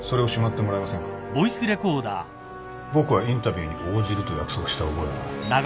僕はインタビューに応じると約束した覚えはない